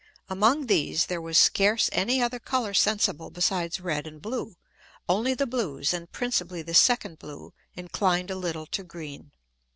Among these there was scarce any other Colour sensible besides red and blue, only the blues (and principally the second blue) inclined a little to green.